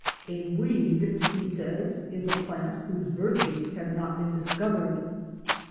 A weed, he says, is a plant whose virtues have not been discovered.